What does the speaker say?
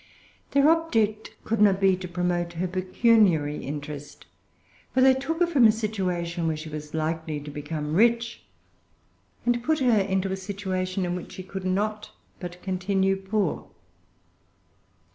Their object could not be to promote her pecuniary interest; for they took her from a situation where she was likely to become rich, and put her into a situation in which she could not but continue poor.